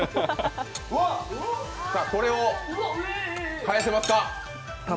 これを返せますか？